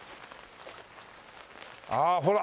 ああほら。